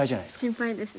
心配ですね。